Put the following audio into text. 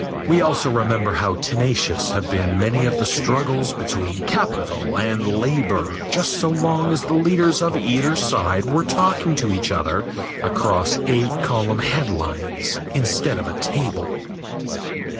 We also remember how tenacious have been many of the struggles between capital and labor just so long as the leaders of either side were talking to each other across eight column headlines instead of a table.